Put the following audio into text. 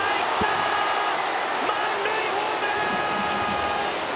満塁ホームラン！